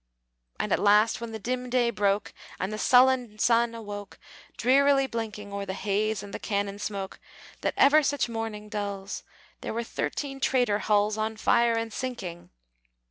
And at last, when the dim day broke, And the sullen sun awoke, Drearily blinking O'er the haze and the cannon smoke, That ever such morning dulls, There were thirteen traitor hulls On fire and sinking!